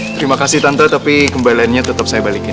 terima kasih tante tapi kembaliannya tetap saya balikin